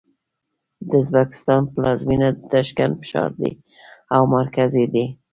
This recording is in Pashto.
د ازبکستان پلازمېنه د تاشکند ښار دی او مرکز یې دی.